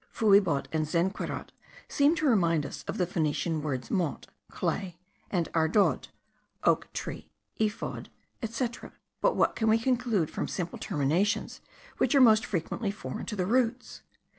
Fuebot and zenquerot seem to remind us of the Phoenician words mot (clay), ardod (oak tree), ephod, etc. But what can we conclude from simple terminations which are most frequently foreign to the roots?